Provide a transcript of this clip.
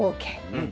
うん。